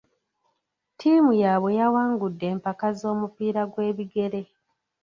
Ttiimu yaabwe yawangudde empaka z'omupiira gw'ebigere.